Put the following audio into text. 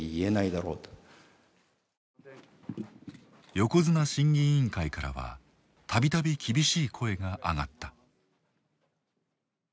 横綱審議委員会からは度々厳しい声が上がった。